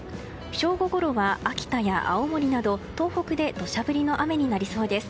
正午ごろは秋田や青森など東北で土砂降りの雨になりそうです。